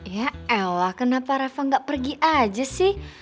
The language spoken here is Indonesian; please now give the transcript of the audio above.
ya allah kenapa reva gak pergi aja sih